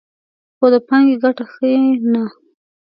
خو د پانګې ګټه ښیي نه